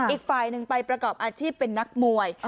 อีกฝ่ายหนึ่งไปประกอบอาชีพเป็นนักมวย